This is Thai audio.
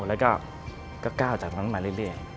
แล้วก็ก้าวจากตรงนั้นมาเรื่อย